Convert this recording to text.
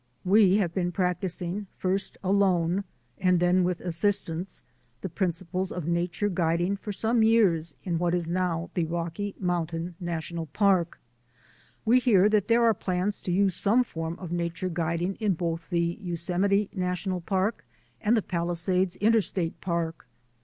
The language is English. We have been practising, first alone then with assistance, the principles of nature guiding for some years in what is now the Rocky Mountain National Park. We hear that here are plans to use THE EVOLUTION OF NATURE GUIDING 247 some form of nature guiding in both the Yosemite National Park and the Palisades Interstate Park.